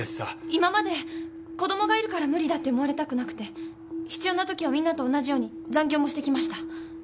今まで子供がいるから無理だって思われたくなくて必要なときはみんなと同じように残業もしてきました。